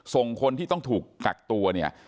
ส่งคนที่ต้องถูกกักตัวเนี่ย